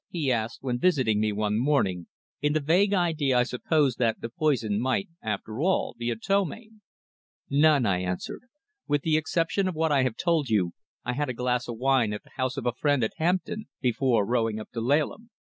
he asked, when he visited me one morning, in the vague idea, I suppose, that the poison might, after all, be a ptomaine. "None," I answered. "With the exception of what I told you, I had a glass of wine at the house of a friend at Hampton before rowing up to Laleham."